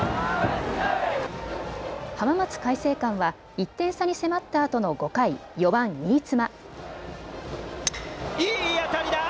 浜松開誠館は１点差に迫ったあとの５回、４番・新妻。